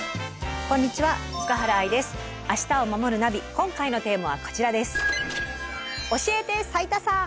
今回のテーマはこちらです。